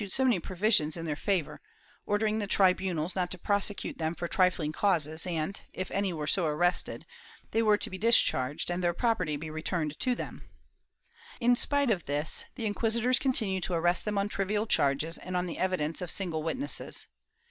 II] PERSECUTION 329 Cardinal Adrian had issued many provisions in their favor, order ing the tribunals not to prosecute them for trifling causes and, if any were so arrested, they were to be discharged and their property be returned to them. In spite of this, the inquisitors continued to arrest them on trivial charges, and on the evidence of single witnesses.